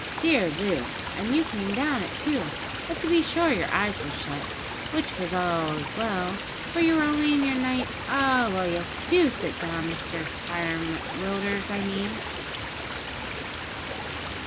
Dear Loo, and you came down it, too; but, to be sure, your eyes were shut, which was as well, for you were only in your night Ah, well, yes, do sit down Mr Firem Willders, I mean."